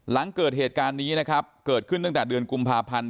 หลังเกิดเหตุการณ์นี้นะครับเกิดขึ้นตั้งแต่เดือนกุมภาพันธ์